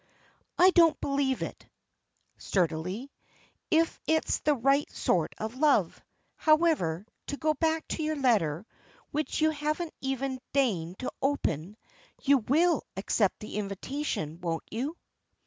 "I don't believe it," sturdily, "if it's the right sort of love. However, to go back to your letter which you haven't even deigned to open you will accept the invitation, won't you?"